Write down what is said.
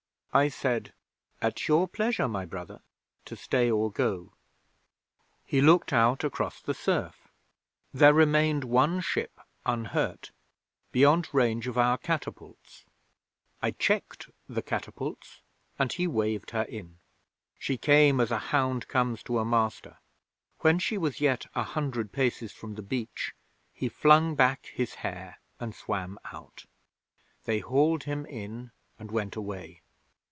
I said: "At your pleasure, my brother, to stay or go." 'He looked out across the surf. There remained one ship unhurt, beyond range of our catapults. I checked the catapults and he waved her in. She came as a hound comes to a master. When she was yet a hundred paces from the beach, he flung back his hair, and swam out. They hauled him in, and went away.